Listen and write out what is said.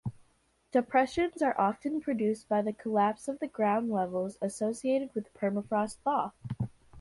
Depressions are often produced by the collapse of ground levels associated with permafrost thaw.